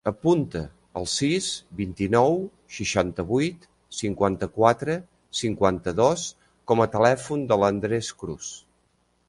Apunta el sis, vint-i-nou, seixanta-vuit, cinquanta-quatre, cinquanta-dos com a telèfon de l'Andrés Cruz.